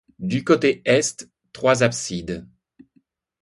Du côté est, trois absides.